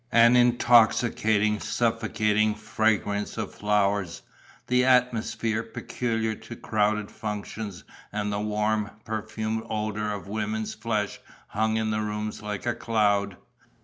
An intoxicating, suffocating fragrance of flowers, the atmosphere peculiar to crowded functions and the warm, perfumed odour of women's flesh hung in the rooms like a cloud.